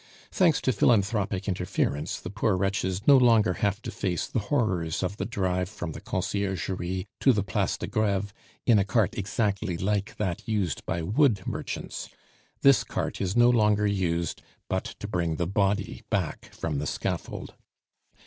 Thanks to philanthropic interference, the poor wretches no longer have to face the horrors of the drive from the Conciergerie to the Place de Greve in a cart exactly like that used by wood merchants. This cart is no longer used but to bring the body back from the scaffold.